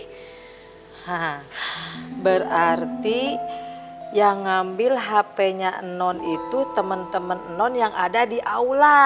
hah berarti yang ngambil handphonenya non itu temen temen non yang ada di aula